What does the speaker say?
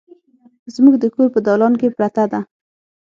زموږ د کور په دالان کې پرته ده